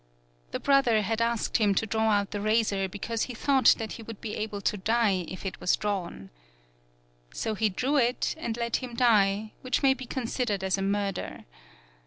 The brother had asked him to draw out the razor because he thought that he would be able to die if it was drawn. So he drew it and let him die, which may be considered as a murder.